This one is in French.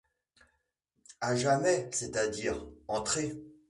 À jamais, c’est-à-dire: Entrez.